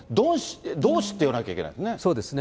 同志と呼ばなきゃいけないんですね。